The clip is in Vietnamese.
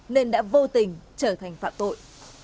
nên đã vô tình trở thành phạm tội